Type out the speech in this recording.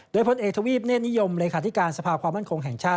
โดยพลเอกทวีปเนธนิยมเลขาธิการสภาความมั่นคงแห่งชาติ